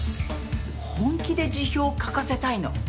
本気で辞表を書かせたいの？